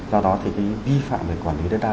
do đó thì cái vi phạm về quản lý đất đai